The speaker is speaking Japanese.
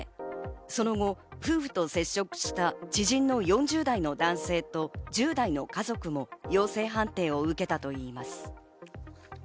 その後、夫婦と接触した知人の４０代の男性と１０代の家族も陽性判定を受けたということです。